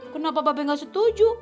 kenapa bapak bapak gak setuju